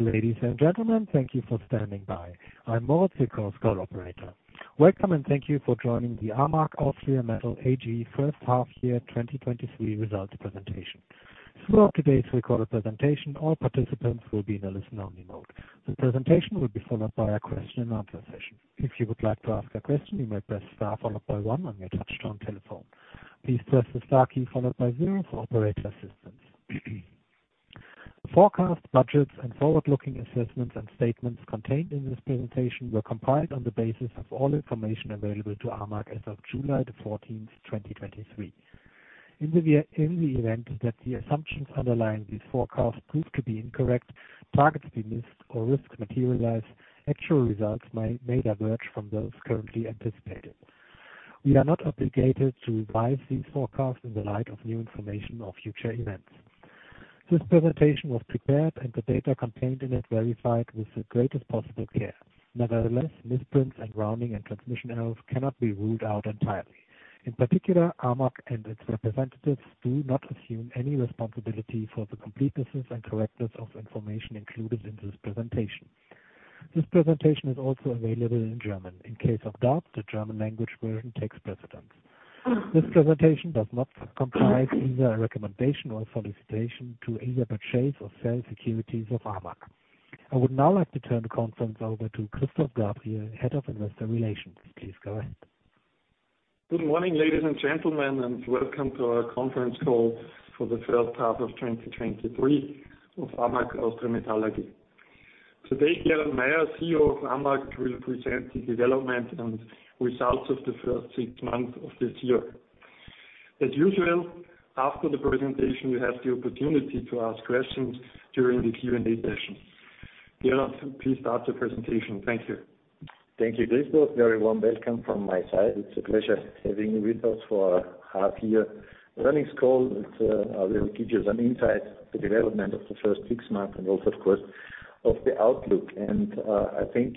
Ladies and gentlemen, thank you for standing by. I'm Moritz, your call's call operator. Welcome, and thank you for joining the AMAG Austria Metall AG H1 Year 2023 Results Presentation. Throughout today's recorded presentation, all participants will be in a listen-only mode. The presentation will be followed by a question-and-answer session. If you would like to ask a question, you may press star followed by 1 on your touchtone telephone. Please press the star key followed by 0 for operator assistance. The forecast, budgets and forward-looking assessments and statements contained in this presentation were compiled on the basis of all information available to AMAG as of July 14, 2023. In the event that the assumptions underlying these forecasts prove to be incorrect, targets be missed or risks materialized, actual results may diverge from those currently anticipated. We are not obligated to revise these forecasts in the light of new information or future events. This presentation was prepared and the data contained in it verified with the greatest possible care. Nevertheless, misprints and rounding and transmission errors cannot be ruled out entirely. In particular, AMAG and its representatives do not assume any responsibility for the completeness and correctness of information included in this presentation. This presentation is also available in German. In case of doubt, the German language version takes precedence. This presentation does not comprise either a recommendation or a solicitation to either purchase or sell securities of AMAG. I would now like to turn the conference over to Christoph Gabriel, Head of Investor Relations. Please go ahead. Good morning, ladies and gentlemen, welcome to our conference call for the H1 of 2023 of AMAG Austria Metall. Today, Gerald Mayer, CEO of AMAG, will present the development and results of the first 6 months of this year. As usual, after the presentation, you have the opportunity to ask questions during the Q&A session. Gerald, please start the presentation. Thank you. Thank you, Christoph. Very warm welcome from my side. It's a pleasure having you with us for our half year earnings call. It will give you some insight to the development of the first six months and also, of course, of the outlook. I think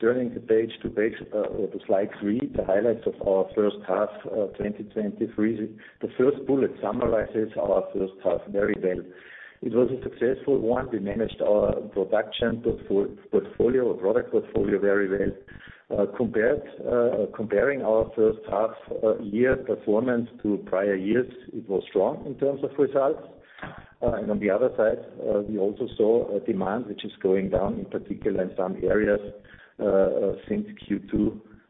turning the page to page or to slide three, the highlights of our H1 2023. The first bullet summarizes our H1 very well. It was a successful one. We managed our production portfolio or product portfolio very well. Comparing our H1 year performance to prior years, it was strong in terms of results. On the other side, we also saw a demand which is going down, in particular in some areas, since Q2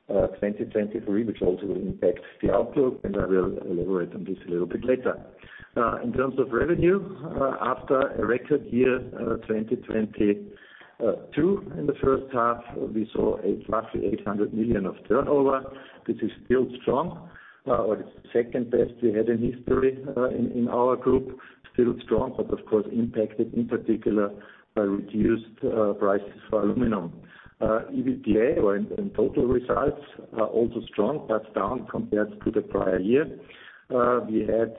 2023, which also will impact the outlook, and I will elaborate on this a little bit later. In terms of revenue, after a record year 2022, in the H1, we saw a roughly 800 million of turnover. This is still strong, or the second best we had in history, in our group. Still strong, but of course impacted, in particular, by reduced prices for aluminum. EBITDA or in total results are also strong, but down compared to the prior year. We had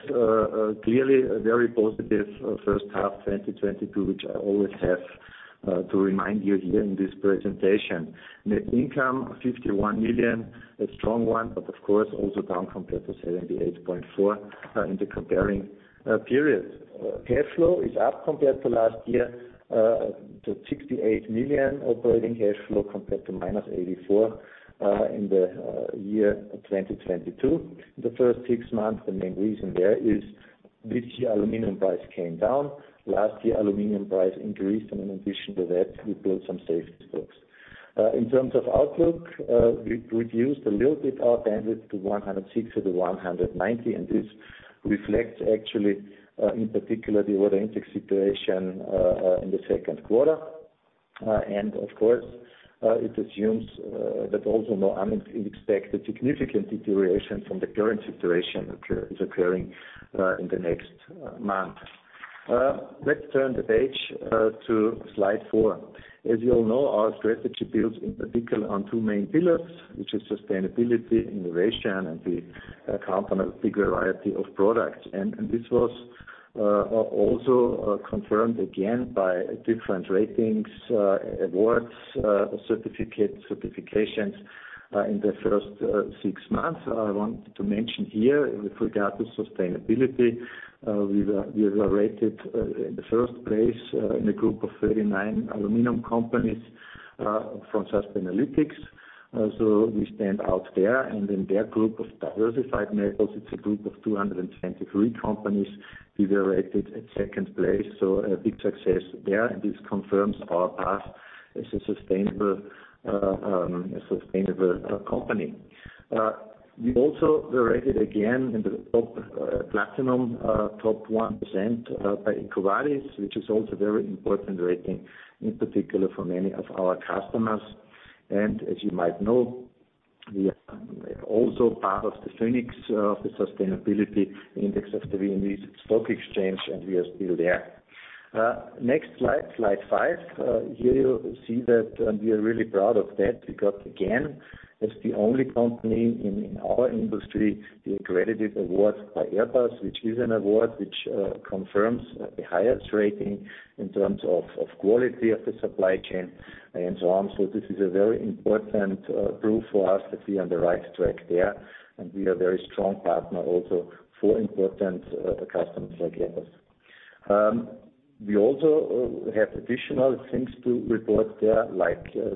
clearly a very positive H1 2022, which I always have to remind you here in this presentation. Net income, 51 million, a strong one. Of course, also down compared to 78.4 in the comparing periods. Cash flow is up compared to last year to 68 million operating cash flow, compared to minus 84 in the year 2022. The first six months, the main reason there is this year, aluminum price came down. Last year, aluminum price increased, and in addition to that, we built some safety stocks. In terms of outlook, we reduced a little bit our bandwidth to 106 to 190, and this reflects actually in particular the order intake situation in the Q2. Of course, it assumes that also no unexpected significant deterioration from the current situation is occurring in the next month. Let's turn the page to slide four. As you all know, our strategy builds in particular on two main pillars, which is sustainability, innovation, and we account on a big variety of products. This was also confirmed again by different ratings, awards, certifications, in the 1st 6 months. I want to mention here, with regard to sustainability, we were rated in the 1st place in a group of 39 aluminum companies from Sustainalytics. So we stand out there, and in their group of diversified metals, it's a group of 223 companies, we were rated at 2nd place. A big success there, and this confirms our path as a sustainable company. We also were rated again in the top, platinum, top 1% by EcoVadis, which is also very important rating, in particular for many of our customers. As you might know, we are also part of the VÖNIX, the Sustainability Index of the Viennese Stock Exchange, and we are still there. Next slide five. Here you see that, we are really proud of that, because again, as the only company in our industry, we were credited award by Airbus, which is an award which confirms the highest rating in terms of quality of the supply chain and so on. This is a very important proof for us that we are on the right track there, and we are a very strong partner also for important customers like Airbus. We also have additional things to report there.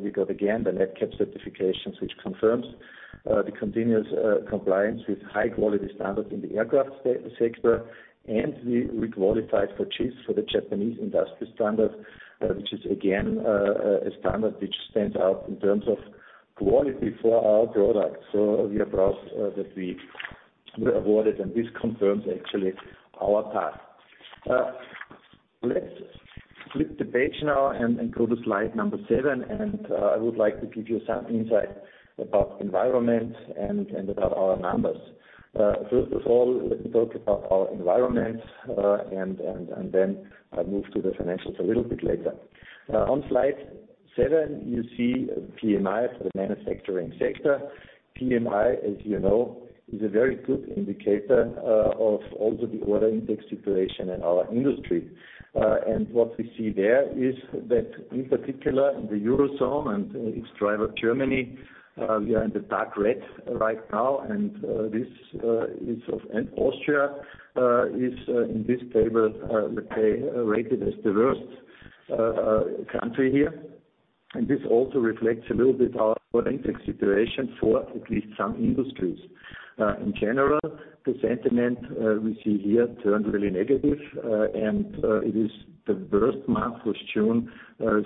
We got, again, the Nadcap certifications, which confirms the continuous compliance with high quality standards in the aircraft sector, and we qualified for JIS, for the Japanese Industrial Standards, which is again a standard which stands out in terms of quality for our products. We are proud that we were awarded, and this confirms actually our path. Let's flip the page now and go to slide number seven, and I would like to give you some insight about environment and about our numbers. First of all, let me talk about our environment, and then I move to the financials a little bit later. On slide seven, you see PMI for the manufacturing sector. PMI, as you know, is a very good indicator of also the order index situation in our industry. What we see there is that in particular in the Eurozone and its driver, Germany, we are in the dark red right now, and this and Austria is in this table, let's say, rated as the worst country here. This also reflects a little bit our order index situation for at least some industries. In general, the sentiment we see here turned really negative, and it is the worst month was June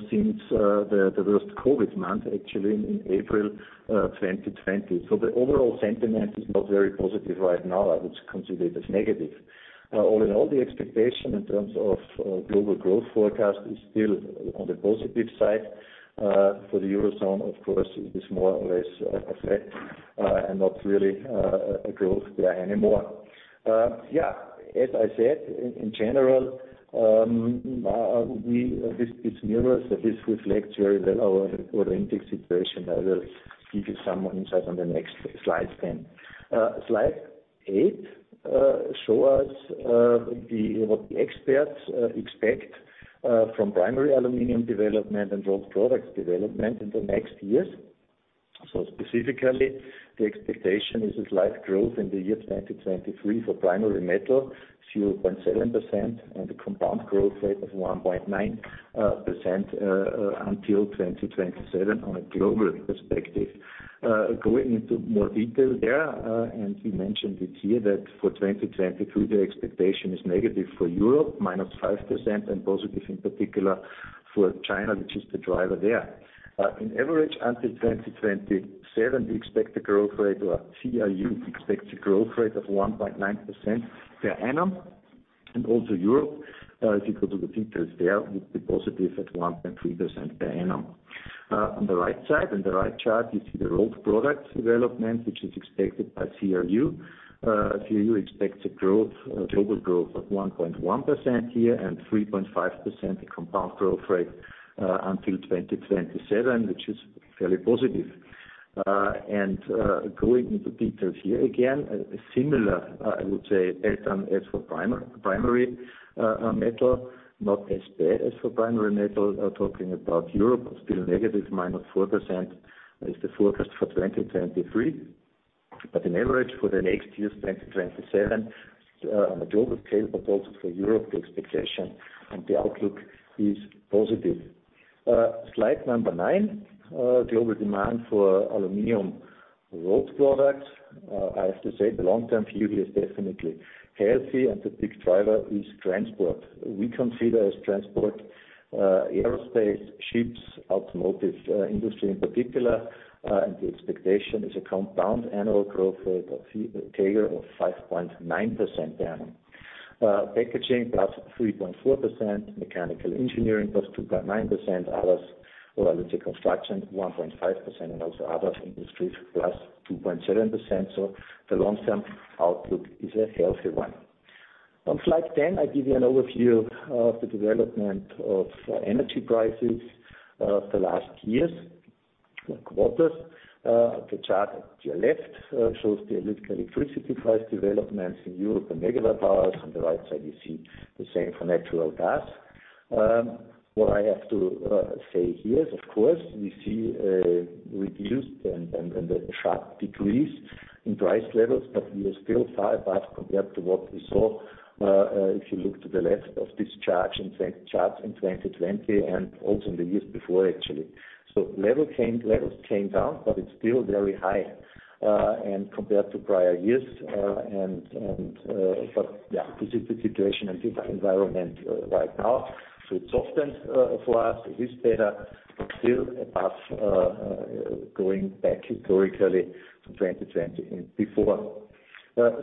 since the worst COVID month, actually, in April 2020. The overall sentiment is not very positive right now. I would consider it as negative. All in all, the expectation in terms of global growth forecast is still on the positive side. For the Eurozone, of course, it is more or less effect and not really a growth there anymore. Yeah, as I said, in general, this mirrors, this reflects very well our order index situation. I will give you some more insight on the next slides then. Slide eight show us what the experts expect from primary aluminum development and rolled products development in the next years. Specifically, the expectation is a slight growth in the year 2023 for primary metal, 0.7%, and a compound growth rate of 1.9% until 2027 on a global perspective. Going into more detail there, and we mentioned it here, that for 2022, the expectation is negative for Europe, -5%, and positive in particular for China, which is the driver there. In average, until 2027, we expect a growth rate, or CRU expects a growth rate of 1.9% per annum. Also Europe, if you go to the details there, will be positive at 1.3% per annum. On the right side, in the right chart, you see the rolled product development, which is expected by CRU. CRU expects a growth, a total growth of 1.1% here, and 3.5% compound growth rate, until 2027, which is fairly positive. Going into details here, again, a similar, I would say, as for primary metal, not as bad as for primary metal. Talking about Europe, still negative, -4% is the forecast for 2023. In average, for the next years, 2027, on a global scale, but also for Europe, the expectation and the outlook is positive. Slide number nine, global demand for aluminum rolled products. I have to say the long-term view here is definitely healthy, and the big driver is transport. We consider as transport, aerospace, ships, automotive industry in particular, and the expectation is a compound annual growth rate of CAGR of 5.9% annual. Packaging, plus 3.4%, mechanical engineering, plus 2.9%, others, well, let's say construction, 1.5%, and also others industries, plus 2.7%. The long-term outlook is a healthy one. On slide 10, I give you an overview of the development of energy prices, the last years, or quarters. The chart to your left shows the electricity price developments in Europe and megawatt hours. On the right side, you see the same for natural gas. What I have to say here is, of course, we see a reduced and a sharp decrease in price levels, but we are still far above compared to what we saw, if you look to the left of this chart, in fact, charts in 2020 and also in the years before, actually. Levels came down, but it's still very high and compared to prior years, but yeah, this is the situation and different environment right now. It's often for us, this data still above going back historically to 2020 and before.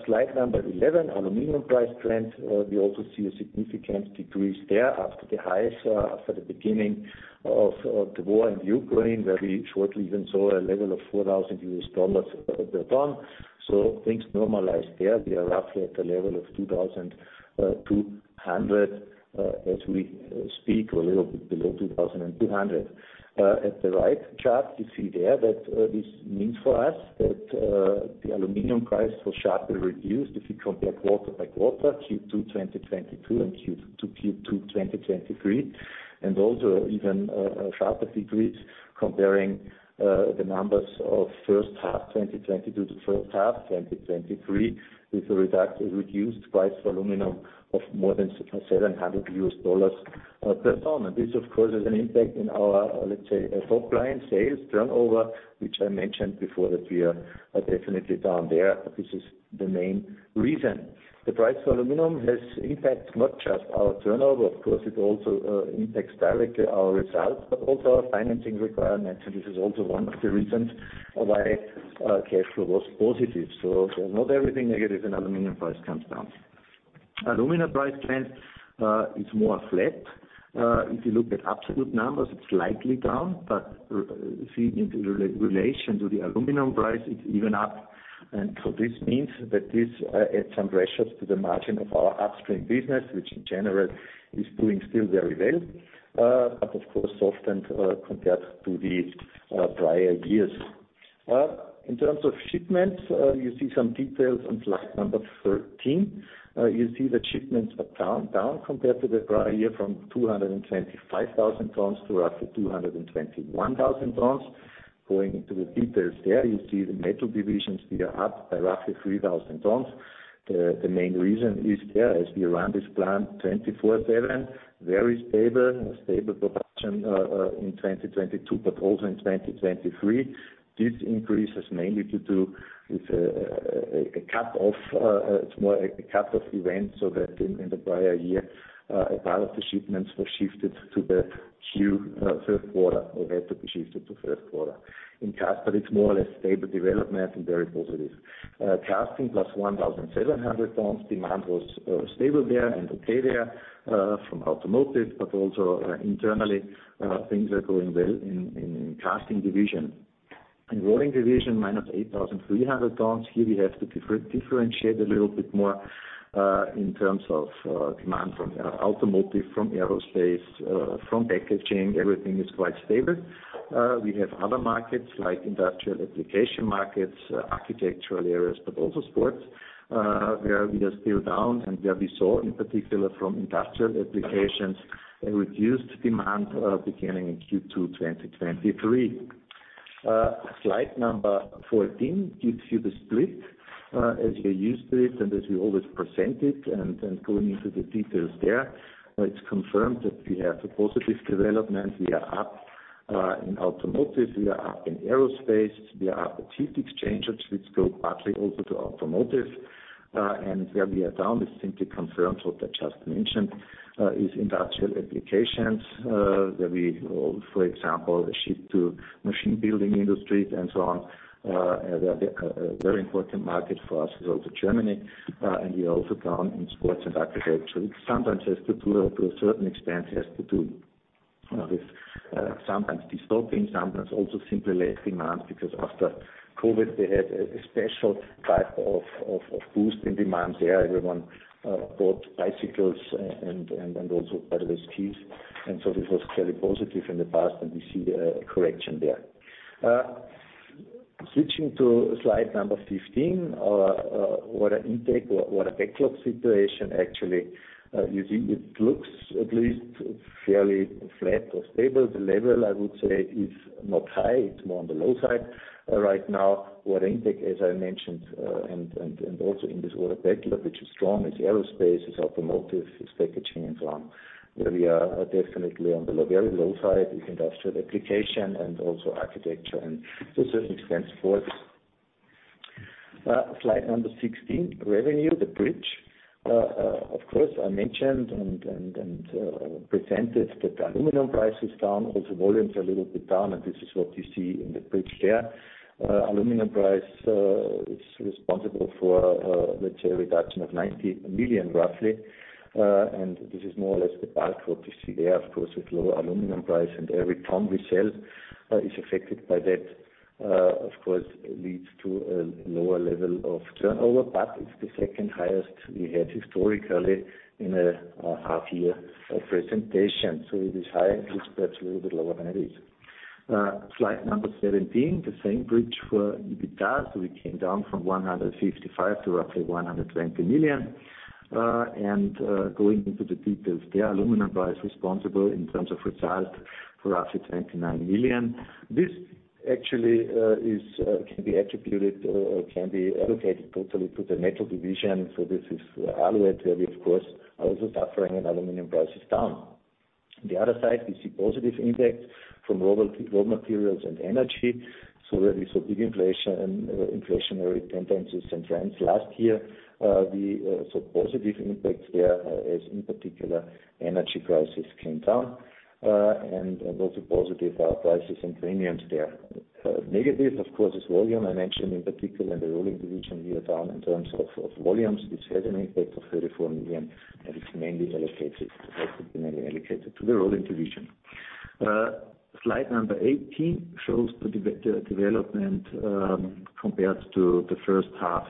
Slide number 11, aluminum price trend. We also see a significant decrease there after the highs after the beginning of the war in Ukraine, where we shortly even saw a level of $4,000 per ton. Things normalized there. We are roughly at the level of $2,200 as we speak, or a little bit below $2,200. At the right chart, you see there that this means for us that the aluminum price was sharply reduced if you compare quarter by quarter, Q2 2022 and Q2 2023. Also even a sharper decrease comparing the numbers of H1 2022 to H1 2023, with a reduced price for aluminum of more than $700 per ton. This, of course, has an impact in our, let's say, top line sales turnover, which I mentioned before, that we are definitely down there. This is the main reason. The price for aluminum has impact not just our turnover, of course, it also impacts directly our results, but also our financing requirements, and this is also one of the reasons why cash flow was positive. Not everything negative in aluminum price comes down. Aluminum price trend is more flat. If you look at absolute numbers, it's slightly down, but in relation to the aluminum price, it's even up. This means that this adds some pressures to the margin of our upstream business, which in general is doing still very well. Of course, softened compared to the prior years. In terms of shipments, you see some details on slide number 13. You see the shipments are down compared to the prior year, from 225,000 tons to roughly 221,000 tons. Going into the details there, you see the metal divisions here are up by roughly 3,000 tons. The main reason is there, as we run this plant twenty-four/seven, very stable production in 2022, but also in 2023. This increase is mainly to do with a cap off, it's more a cap off event, so that in the prior year, a part of the shipments were shifted to the Q, Q3, or had to be shifted to Q3. In cast, it's more or less stable development and very positive. Casting, plus 1,700 tons. Demand was stable there and okay there, from automotive, but also internally, things are going well in casting division. In rolling division, minus 8,300 tons. Here we have to differentiate a little bit more in terms of demand from automotive, from aerospace, from packaging, everything is quite stable. We have other markets, like industrial application markets, architectural areas, but also sports, where we are still down, and where we saw, in particular from industrial applications, a reduced demand beginning in Q2 2023. Slide number 14 gives you the split as you're used to it, and as we always present it, and going into the details there, it's confirmed that we have a positive development. We are up in automotive, we are up in aerospace, we are up in heat exchangers, which go partly also to automotive. Where we are down, this simply confirms what I just mentioned, is industrial applications, where we, for example, ship to machine building industries and so on. A very important market for us is also Germany. We are also down in sports and architecture, which sometimes has to do, to a certain extent, has to do, with, sometimes de-stocking, sometimes also simply less demand, because after COVID, they had a special type of boost in demand there. Everyone bought bicycles and also, by the way, skis. This was very positive in the past, and we see a correction there. Switching to slide number 15, order intake, or order backlog situation, actually, you see it looks at least fairly flat or stable. The level, I would say, is not high. It's more on the low side right now. Order intake, as I mentioned, and also in this order backlog, which is strong, is aerospace, is automotive, is packaging, and so on. Where we are definitely on the low, very low side is industrial application and also architecture, and to a certain extent, sports. Slide number 16, revenue, the bridge. Of course, I mentioned and presented that the aluminum price is down, also volumes are a little bit down, and this is what you see in the bridge there. Aluminum price is responsible for, let's say, a reduction of 90 million, roughly. This is more or less the bulk what you see there. Of course, with lower aluminum price, and every ton we sell, is affected by that, of course, leads to a lower level of turnover, but it's the second highest we had historically in a half year of presentation. It is high, it looks perhaps a little bit lower than it is. Slide number 17, the same bridge for EBITDA. We came down from 155 to roughly 120 million. Going into the details there, aluminum price responsible in terms of result for roughly 29 million. This actually, is, can be attributed or can be allocated totally to the metal division. This is aluminum, where we of course, are also suffering, and aluminum price is down. The other side, we see positive impact from raw materials and energy. Where we saw big inflation, inflationary tendencies and trends last year, we saw positive impacts there, as in particular, energy prices came down, and also positive prices and premiums there. Negative, of course, is volume. I mentioned in particular in the rolling division, we are down in terms of volumes. This has an impact of 34 million, and it's mainly allocated to the rolling division. Slide number 18 shows the development compared to the H1,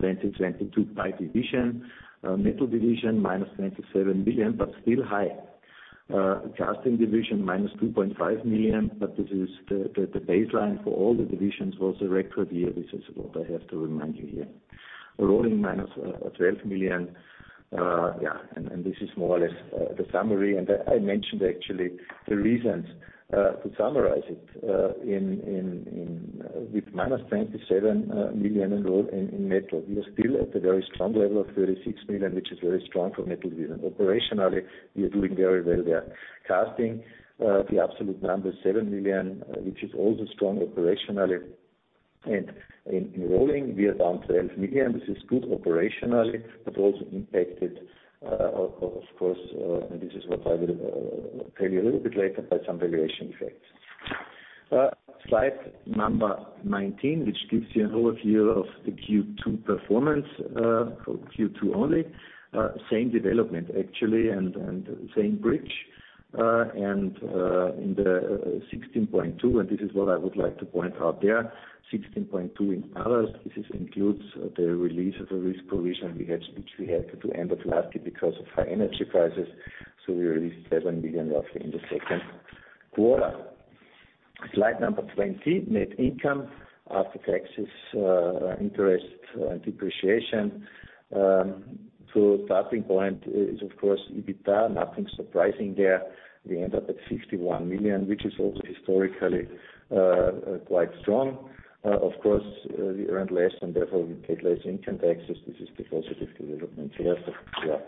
2022 by division. Metal division, minus 97 million, but still high. Casting division, minus 2.5 million, but this is the baseline for all the divisions was a record year. This is what I have to remind you here. Rolling, minus 12 million. Yeah, this is more or less the summary. I mentioned actually the reasons to summarize it in with -27 million in metal. We are still at a very strong level of 36 million, which is very strong for Metal Division. Operationally, we are doing very well there. Casting, the absolute number, 7 million, which is also strong operationally. In rolling, we are down 12 million. This is good operationally, but also impacted, of course, and this is what I will tell you a little bit later, by some valuation effects. Slide number 19, which gives you an overview of the Q2 performance for Q2 only. Same development actually, and same bridge, in the 16.2. This is what I would like to point out there, 16.2 in others. This is includes the release of a risk provision we had, which we had to end up last year because of high energy prices. We released 7 billion roughly in the Q2. Slide number 20, net income after taxes, interest, and depreciation. Starting point is, of course, EBITDA, nothing surprising there. We end up at 61 million, which is also historically quite strong. Of course, we earned less. Therefore we paid less income taxes. This is the positive development here. Yeah,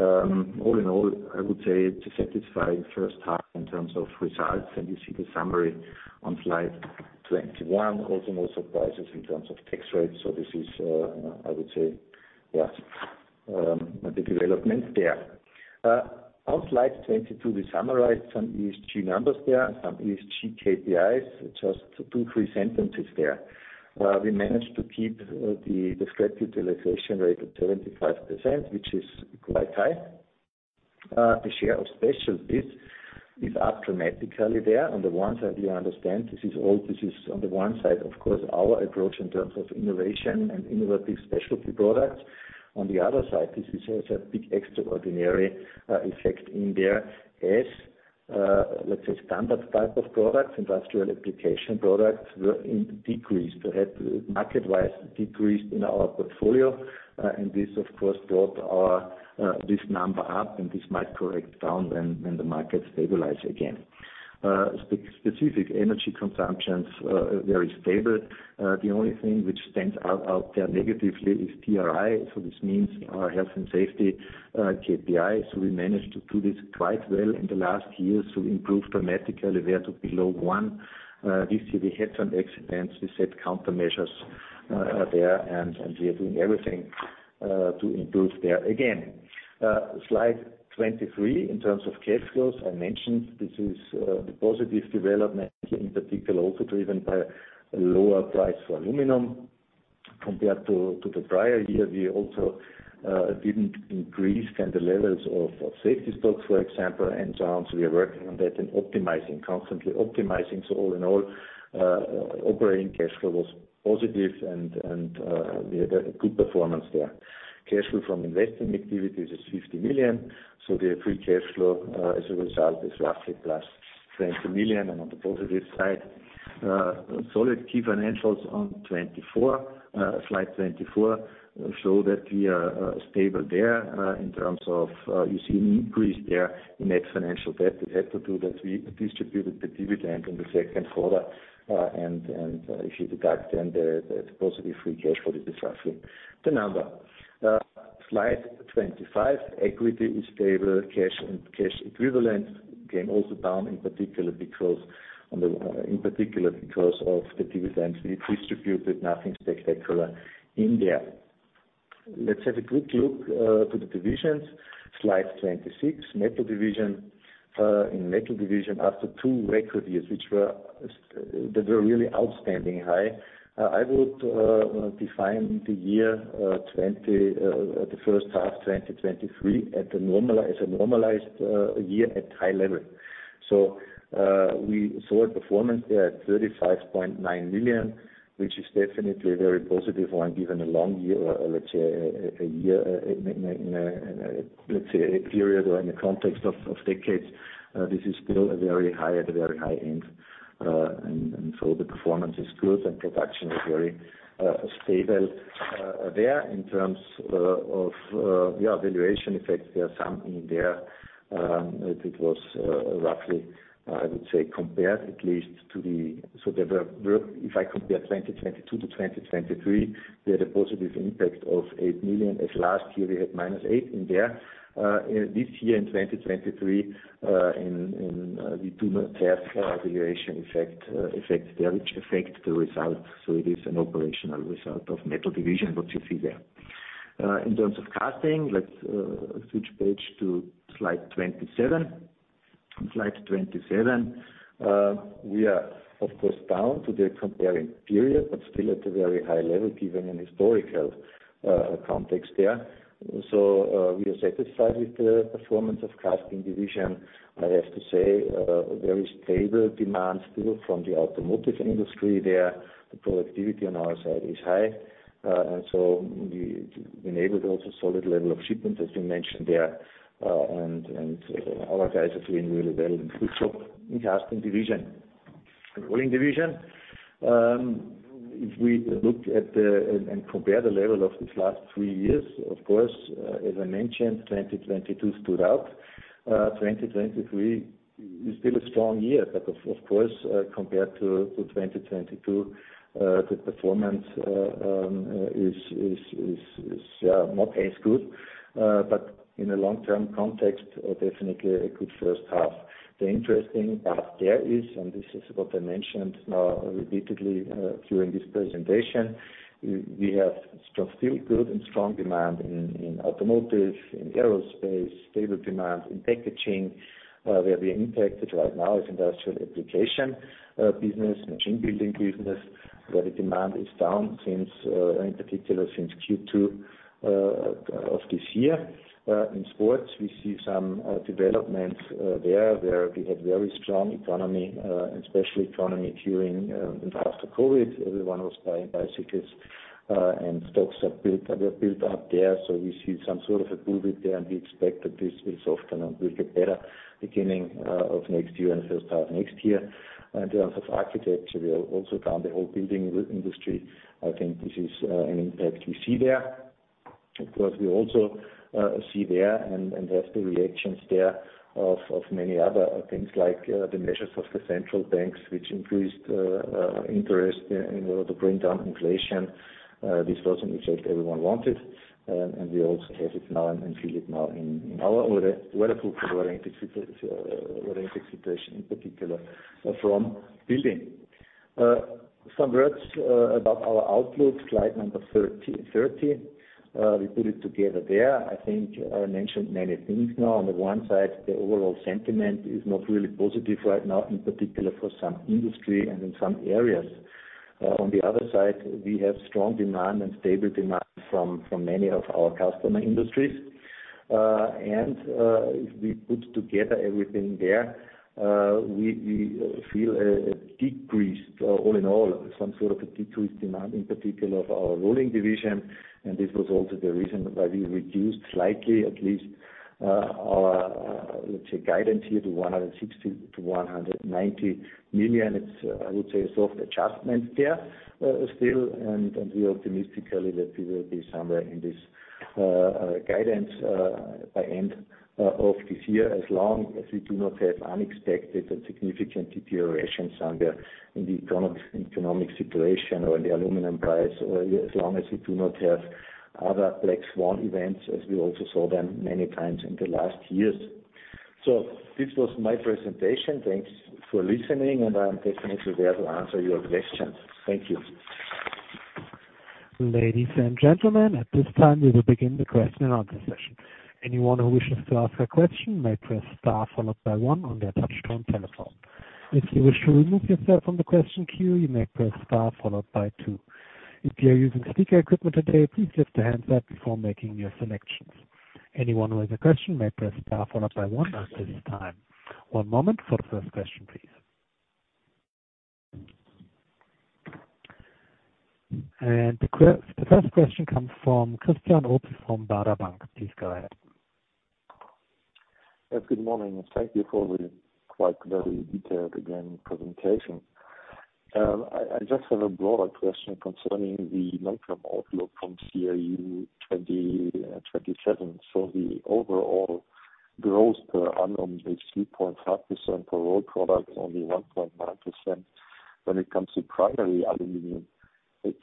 all in all, I would say it's a satisfying H1 in terms of results, and you see the summary on slide 21. No surprises in terms of tax rates, so this is, I would say, yeah, the development there. On slide 22, we summarize some ESG numbers there, some ESG KPIs. Just two, three sentences there. We managed to keep the capacity utilisation rate at 75%, which is quite high. The share of specialty is up dramatically there. On the one side, we understand this is on the one side, of course, our approach in terms of innovation and innovative specialty products. On the other side, this is also a big extraordinary effect in there. Let's say, standard type of products, industrial application products, were in decreased, perhaps market-wise, decreased in our portfolio, and this of course, brought our this number up, and this might correct down when the market stabilize again. Specific energy consumptions, very stable. The only thing which stands out there negatively is TRI. This means our health and safety KPI. We managed to do this quite well in the last years, so we improved dramatically there to below 1. This year we had some accidents. We set countermeasures there, and we are doing everything to improve there again. Slide 23, in terms of cash flows, I mentioned this is the positive development, in particular, also driven by a lower price for aluminum. Compared to the prior year, we also didn't increase the levels of safety stocks, for example, and so on. We are working on that and optimizing, constantly optimizing. All in all, operating cash flow was positive, and we had a good performance there. Cash flow from investing activities is 50 million. The free cash flow, as a result, is roughly plus 20 million and on the positive side. Solid key financials on 24, slide 24, show that we are stable there in terms of, you see an increase there in net financial debt. It had to do that we distributed the dividend in the Q2, and if you deduct then the positive free cash flow, this is roughly the number. Slide 25, equity is stable, cash and cash equivalent came also down, in particular, because of the dividends we distributed. Nothing spectacular in there. Let's have a quick look to the divisions. Slide 26, metal division. In metal division, after two record years, which were that were really outstanding high, I would define the year, the H1 of 2023, as a normalized year at high level. We saw a performance there at 35.9 million, which is definitely a very positive one, given a long year, let's say, a period or in the context of decades, this is still a very high, at a very high end. The performance is good and production is very stable there. In terms of valuation effects, there are some in there. It was roughly, I would say, compared at least to the... There were, if I compare 2022 to 2023, we had a positive impact of 8 million. As last year, we had minus 8 in there. This year, in 2023, we do not have valuation effects there which affect the results. It is an operational result of metal division, what you see there. In terms of casting, let's switch page to slide 27. Slide 27, we are, of course, down to the comparing period, but still at a very high level, given an historical context there. We are satisfied with the performance of casting division. I have to say, very stable demand still from the automotive industry there. The productivity on our side is high, we enabled also solid level of shipments, as we mentioned there, and our guys are doing really well and good job in casting division. Rolling division, if we look at the and compare the level of these last three years, of course, as I mentioned, 2022 stood out. 2023 is still a strong year, but of course, compared to 2022, the performance is... Yeah, not as good, but in the long-term context, definitely a good H1. The interesting part there is, and this is what I mentioned now repeatedly, during this presentation, we have still good and strong demand in automotive, in aerospace, stable demand in packaging. Where we are impacted right now is industrial application business, machine building business, where the demand is down since in particular since Q2 of this year. In sports, we see some developments there, where we had very strong economy and especially economy during and after COVID. Everyone was buying bicycles, and stocks have built up there. We see some sort of a movement there, and we expect that this will soften and will get better beginning of next year and H1 next year. In terms of architecture, we are also down the whole building industry. I think this is an impact we see there. Of course, we also see there and there's the reactions there of many other things like the measures of the central banks which increased interest in order to bring down inflation. This wasn't effect everyone wanted, and we also have it now and feel it now in our order, where the in particular, from building. Some words about our outlook, slide number 30. We put it together there. I think I mentioned many things now. On the one side, the overall sentiment is not really positive right now, in particular for some industry and in some areas. On the other side, we have strong demand and stable demand from many of our customer industries. If we put together everything there, we feel a decreased, all in all, some sort of a decreased demand, in particular of our rolling division, and this was also the reason why we reduced slightly, at least, our, let's say, guidance here to 160 million-190 million. It's, I would say, a soft adjustment there, still, and we optimistically that we will be somewhere in this guidance by end of this year, as long as we do not have unexpected and significant deterioration somewhere in the economic situation or in the aluminum price, or as long as we do not have other Black Swan events, as we also saw them many times in the last years. This was my presentation. Thanks for listening, and I'm definitely there to answer your questions. Thank you. Ladies and gentlemen, at this time, we will begin the question and answer session. Anyone who wishes to ask a question may press star followed by 1 on their touchtone telephone. If you wish to remove yourself from the question queue, you may press star followed by 2. If you are using speaker equipment today, please lift the handset before making your selections. Anyone who has a question may press star followed by 1 at this time. 1 moment for the first question, please. The first question comes from Christian Obst from Baader Bank. Please go ahead. Good morning, and thank you for the quite very detailed, again, presentation. I just have a broader question concerning the long-term outlook from CRU 2027. The overall growth per annum is 3.5% for raw product, only 1.9% when it comes to primary aluminum.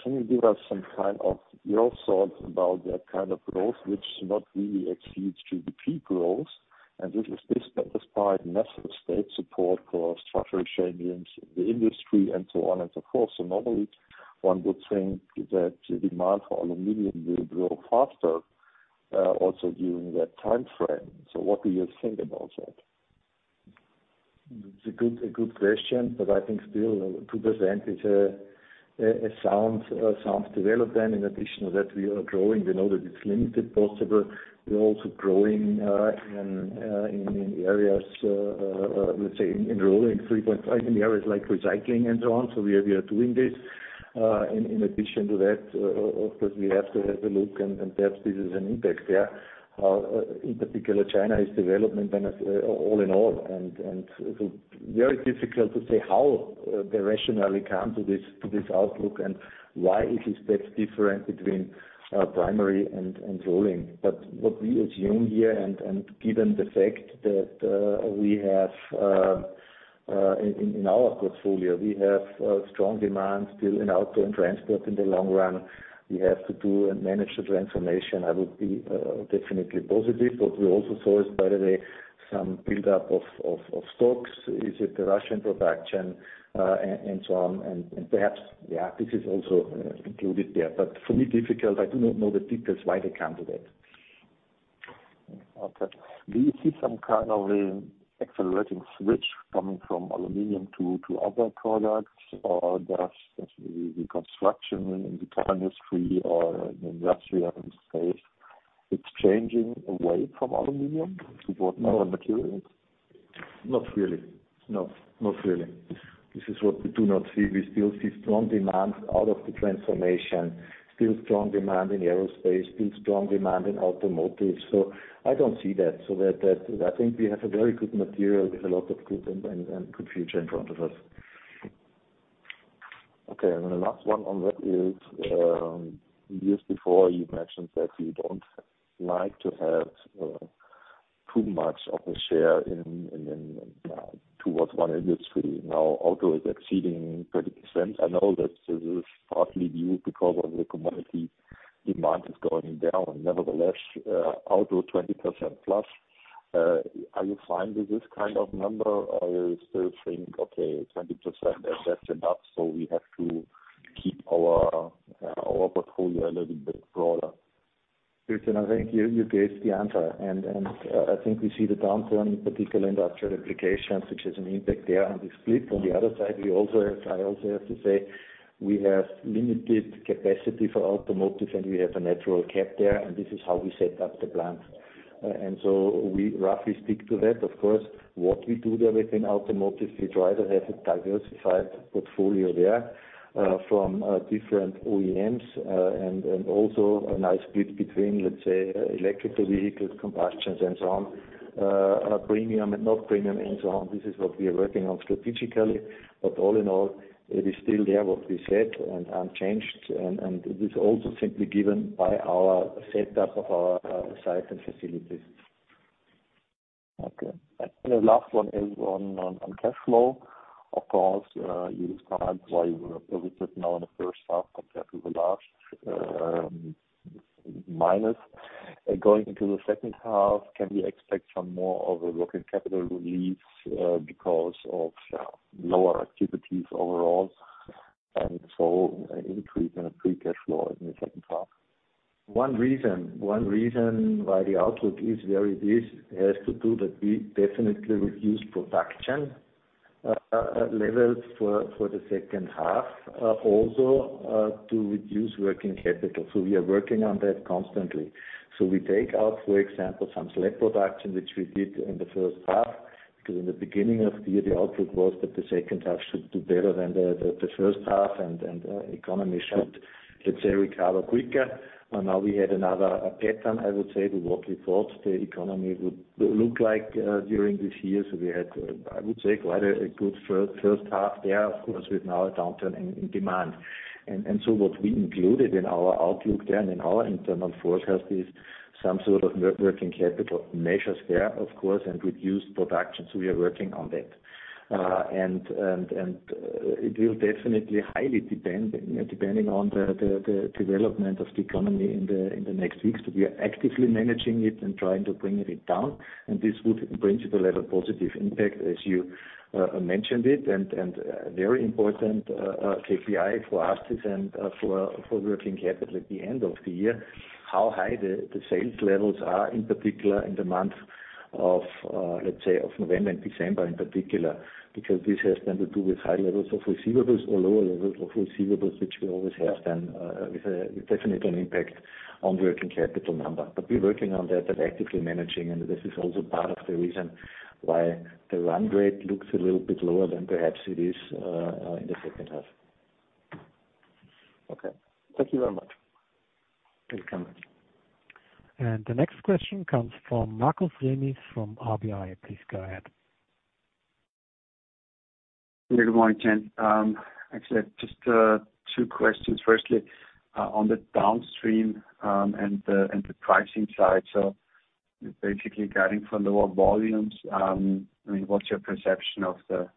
Can you give us some kind of your thoughts about that kind of growth, which not really exceeds GDP growth? This is despite massive state support for structural changes in the industry and so on and so forth. Normally, one would think that demand for aluminum will grow faster, also during that time frame. What do you think about that? It's a good question, but I think still 2% is a sound development. In addition to that, we are growing. We know that it's limited possible. We're also growing in areas, let's say in rolling 3.5, in areas like recycling and so on. We are doing this. In addition to that, of course, we have to have a look, and perhaps this is an impact there. In particular, China is development and all in all, and so very difficult to say how directionally we come to this outlook and why it is that different between primary and rolling. What we assume here, and given the fact that we have in our portfolio, we have strong demand still in outdoor and transport in the long run. We have to do and manage the transformation. I would be definitely positive. What we also saw is, by the way, some build-up of stocks. Is it the Russian production, and so on? Perhaps, yeah, this is also included there, but for me, difficult. I do not know the details why they came to that. Okay. Do you see some kind of accelerating switch coming from aluminum to other products? Does the construction in the car industry or in the industrial space, it's changing away from aluminum to what, other materials? Not really. No, not really. This is what we do not see. We still see strong demand out of the transformation, still strong demand in aerospace, still strong demand in automotive. I don't see that. That, I think we have a very good material with a lot of good and good future in front of us. Okay, the last one on that is, years before, you mentioned that you don't like to have too much of a share in one industry. Now, auto is exceeding 30%. I know that this is partly due because of the commodity demand is going down. Nevertheless, auto 20% plus, are you fine with this kind of number? You still think, okay, 20%, that's enough, so we have to keep our portfolio a little bit broader? Christian, I think you guessed the answer. I think we see the downturn, in particular in industrial application, which has an impact there on the split. On the other side, I also have to say, we have limited capacity for automotive, and we have a natural cap there, and this is how we set up the plant. So we roughly stick to that. Of course, what we do there within automotive, we try to have a diversified portfolio there, from different OEMs, and also a nice split between, let's say, electrical vehicles, combustions, and so on, premium and not premium, and so on. This is what we are working on strategically, but all in all, it is still there, what we said, and unchanged, and it is also simply given by our setup of our, site and facilities. The last one is on cash flow. Of course, you described why you were a bit now in the H1 compared to the last minus. Going into the H2, can we expect some more of a working capital release because of lower activities overall, and so an increase in a free cash flow in the H2? One reason why the outlook is where it is, has to do that we definitely reduce production levels for the H2, also to reduce working capital. We are working on that constantly. We take out, for example, some select production, which we did in the H1, because in the beginning of the year, the output was that the H2 should do better than the H1, and economy should, let's say, recover quicker. Now we had another pattern, I would say, to what we thought the economy would look like during this year. We had, I would say, quite a good H1 there. Of course, with now a downturn in demand. What we included in our outlook then, in our internal forecast, is some sort of net working capital measures there, of course, and reduced production, so we are working on that. It will definitely highly depend, depending on the development of the economy in the next weeks. We are actively managing it and trying to bring it down, and this would, in principle, have a positive impact, as you mentioned it. Very important KPI for us and for working capital at the end of the year, how high the sales levels are, in particular in the month of, let's say, November and December, in particular, because this has then to do with high levels of receivables or lower levels of receivables, which we always have then with definitely an impact on working capital number. We're working on that and actively managing, and this is also part of the reason why the run rate looks a little bit lower than perhaps it is in the H2. Okay. Thank you very much. Welcome. The next question comes from Markus Remis from RBI. Please go ahead. Good morning, gents. Actually, just two questions. Firstly, on the downstream, and the pricing side. Basically, guiding for lower volumes, I mean, what's your perception of the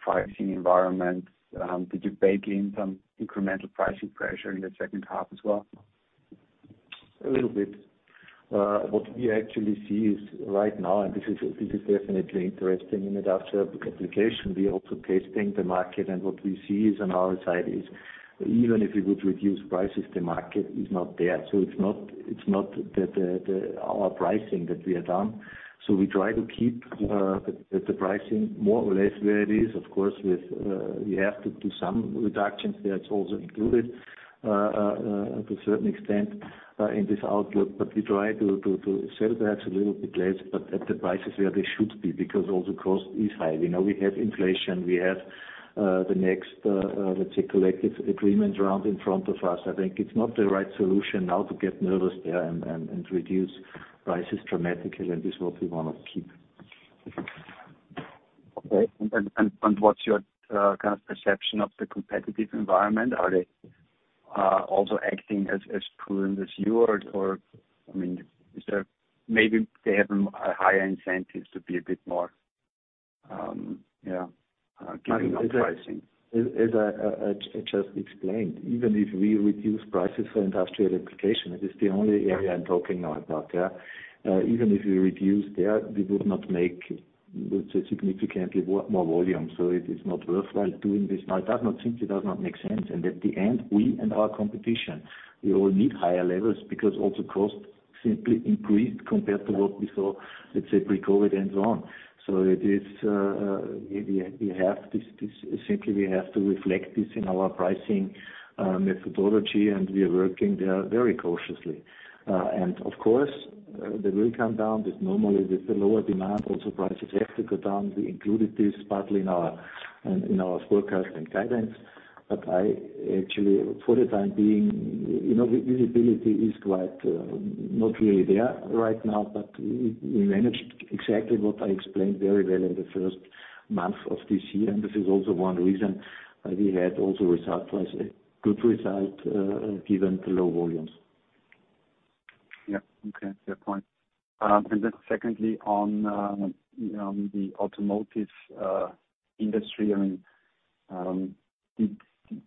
pricing environment? Did you bake in some incremental pricing pressure in the H2 as well? A little bit. What we actually see is right now, this is, this is definitely interesting in industrial application, we are also testing the market, what we see is on our side is even if we would reduce prices, the market is not there. It's not, it's not that, the, our pricing that we are down. We try to keep, the pricing more or less where it is. Of course, with, we have to do some reductions, that's also included, to a certain extent, in this outlook. We try to, to sell perhaps a little bit less, but at the prices where they should be, because also cost is high. We know we have inflation, we have, the next, let's say, collective agreement round in front of us. I think it's not the right solution now to get nervous there and reduce prices dramatically. This is what we wanna keep. Okay. What's your, kind of perception of the competitive environment? Are they, also acting as prudent as you or, I mean, maybe they have a higher incentives to be a bit more, yeah, giving on pricing? As I just explained, even if we reduce prices for industrial application, it is the only area I'm talking now about, even if we reduce there, we would not make, let's say, significantly more volume. It is not worthwhile doing this. Now, it does not seem, it does not make sense, and at the end, we and our competition, we all need higher levels because also costs simply increased compared to what we saw, let's say, pre-COVID and so on. It is, simply, we have to reflect this in our pricing methodology, and we are working there very cautiously. Of course, they will come down. There's normally, with the lower demand, also prices have to go down. We included this partly in our in our forecast and guidance. I actually, for the time being, you know, visibility is quite not really there right now. We exactly what I explained very well in the first month of this year. This is also one reason, we had also result was a good result, given the low volumes. Yeah. Okay, fair point. Secondly, on the automotive industry, I mean, do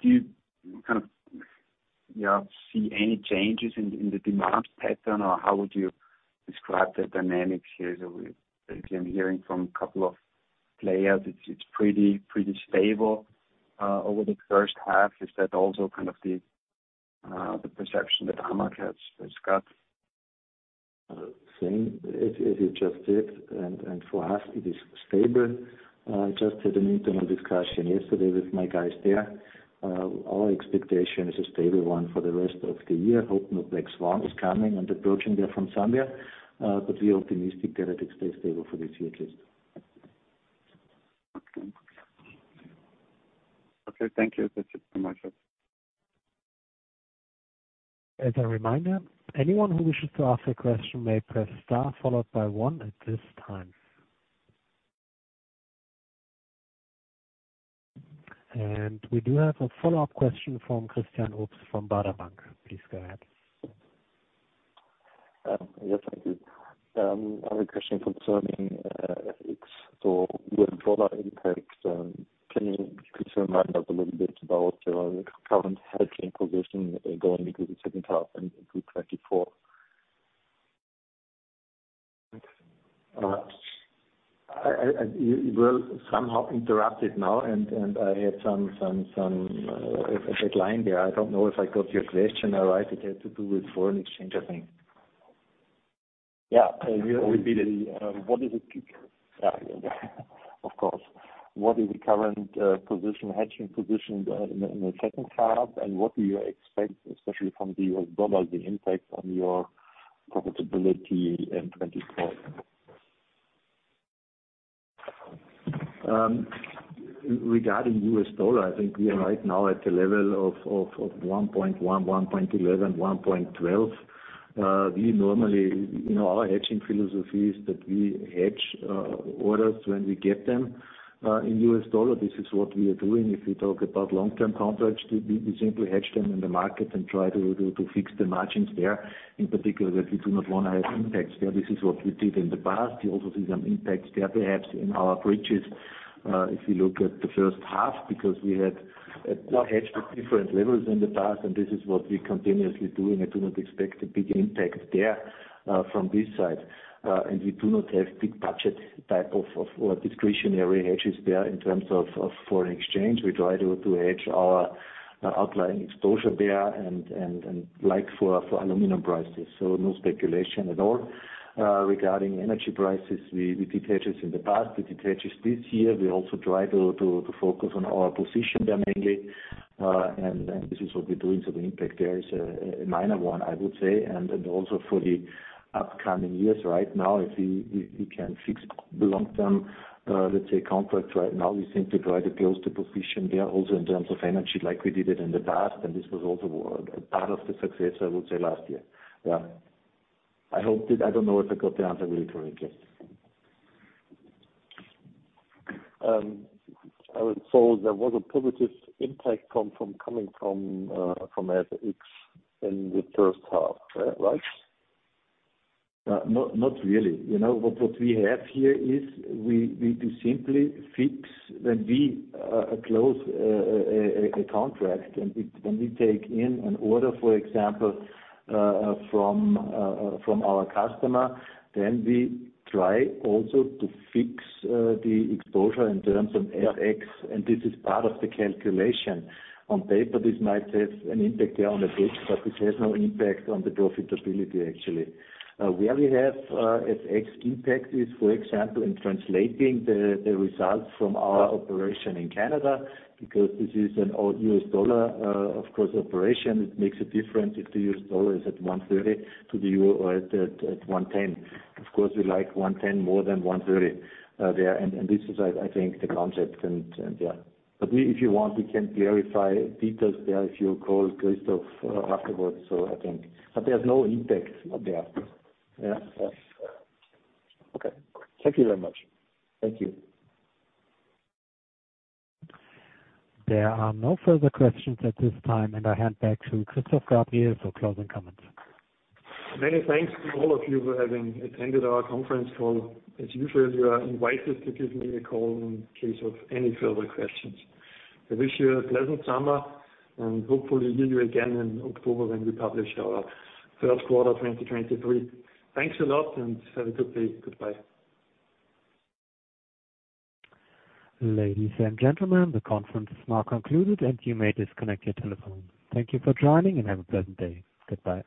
you kind of, yeah, see any changes in the demand pattern, or how would you describe the dynamics here? As I'm hearing from a couple of players, it's pretty stable over the H1. Is that also kind of the perception that AMAG has discussed? Same as you just said, and for us it is stable. I just had an internal discussion yesterday with my guys there. Our expectation is a stable one for the rest of the year. Hope no Black Swan is coming and approaching there from somewhere. We are optimistic that it stays stable for this year at least. Okay. Okay, thank you. That's it from my side. As a reminder, anyone who wishes to ask a question may press star followed by 1 at this time. We do have a follow-up question from Christian Obst from Baader Bank. Please go ahead. Yes, thank you. I have a question concerning FX. With dollar impact, could remind us a little bit about current hedging position going into the H2 and into 2024? I, you will somehow interrupted now, and I had some a deadline there. I don't know if I got your question now, right, it had to do with foreign exchange, I think. Yeah, repeat it. Yeah, of course. What is the current position, hedging position in the H2, and what do you expect, especially from the US dollar, the impact on your profitability in 2024? Regarding US dollar, I think we are right now at the level of 1.11.11, 1.12. We normally, you know, our hedging philosophy is that we hedge orders when we get them in US dollar. This is what we are doing. If we talk about long-term contracts, we simply hedge them in the market and try to fix the margins there. In particular, that we do not want to have impacts there. This is what we did in the past. We also see some impacts there, perhaps in our bridges, if you look at the H1, because we had hedged at different levels in the past, and this is what we're continuously doing. I do not expect a big impact there from this side. We do not have big budget type of, or discretionary hedges there in terms of foreign exchange. We try to hedge our outlying exposure there and like for aluminum prices. No speculation at all. Regarding energy prices, we did hedges in the past, we did hedges this year. We also try to focus on our position there mainly, and this is what we're doing. The impact there is a minor one, I would say, and also for the upcoming years. Right now, if we can fix the long term, let's say, contract right now, we seem to try to build the position there also in terms of energy, like we did it in the past, and this was also a part of the success, I would say last year. Yeah. I hope that I don't know if I got the answer really correctly. I would say there was a positive impact coming from FX in the H1, right? Not really. You know, what we have here is we do simply fix when we close a contract, when we take in an order, for example, from our customer, then we try also to fix the exposure in terms of FX, and this is part of the calculation. On paper, this might have an impact there on the base, but this has no impact on the profitability, actually. Where we have FX impact is, for example, in translating the results from our operation in Canada, because this is an all US dollar, of course, operation. It makes a difference if the US dollar is at 1.30 to the EUR or at 1.10. Of course, we like 1.10 more than 1.30 there. This is, I think the concept and, yeah. If you want, we can clarify details there if you call Christoph afterwards, so I think. There's no impact there. Yeah. Okay. Thank you very much. Thank you. There are no further questions at this time, and I hand back to Christoph Gabriel for closing comments. Many thanks to all of you for having attended our conference call. As usual, you are invited to give me a call in case of any further questions. I wish you a pleasant summer, and hopefully hear you again in October when we publish Q1 2023. Thanks a lot and have a good day. Goodbye. Ladies and gentlemen, the conference is now concluded, and you may disconnect your telephone. Thank you for joining, and have a pleasant day. Goodbye.